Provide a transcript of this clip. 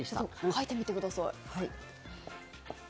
書いてみてください。